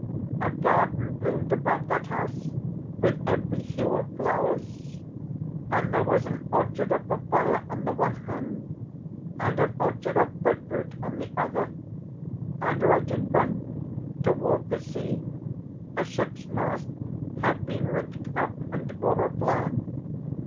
A garden bloomed about that house with every hue of flowers; and there was an orchard of papaia on the one hand and an orchard of breadfruit on the other, and right in front, toward the sea, a ship's mast had been rigged up and bore a flag.